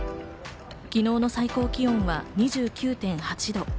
昨日の最高気温は２９．８度。